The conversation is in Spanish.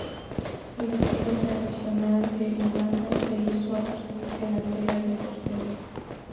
El vestido tradicional de Uganda se hizo a partir de tela de corteza.